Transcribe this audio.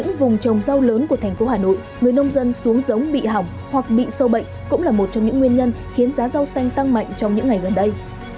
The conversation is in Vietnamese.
giao lớn của thành phố hà nội người nông dân xuống giống bị hỏng hoặc bị sâu bệnh cũng là một trong những nguyên nhân khiến giá rau xanh tăng mạnh trong những ngày gần đây